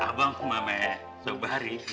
abang sama me sobari